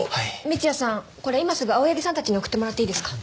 三ツ矢さんこれ今すぐ青柳さんたちに送ってもらっていいですか？